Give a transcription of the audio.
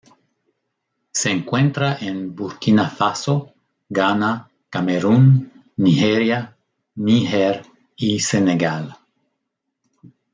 Se encuentra en Burkina Faso, Ghana, Camerún, Nigeria, Níger y Senegal.